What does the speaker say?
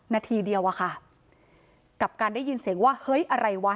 นาทีเดียวอะค่ะกับการได้ยินเสียงว่าเฮ้ยอะไรวะ